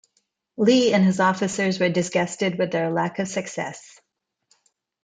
Lee and his officers were disgusted with their lack of success.